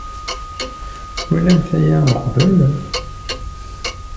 Twalamt aya uqbel?